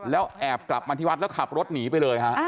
แล้วแอบกลับมาที่วัดแล้วขับรถหนีไปเลยฮะ